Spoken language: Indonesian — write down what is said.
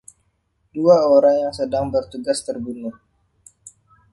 Dua orang yang sedang bertugas terbunuh.